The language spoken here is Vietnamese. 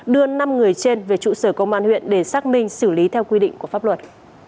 đưa năm người trên về trụ sở công an huyện để xác minh xử lý theo quy định của pháp luật